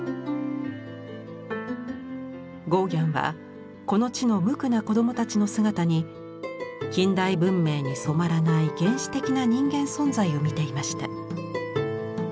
ゴーギャンはこの地のむくな子供たちの姿に近代文明に染まらない原始的な人間存在を見ていました。